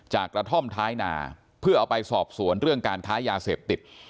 กระท่อมท้ายนาเพื่อเอาไปสอบสวนเรื่องการค้ายาเสพติด